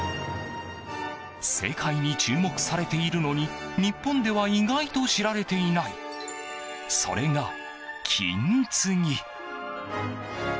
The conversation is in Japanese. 世界に注目されているのに日本では意外と知られていないそれが金継ぎ。